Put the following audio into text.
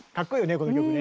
この曲ね。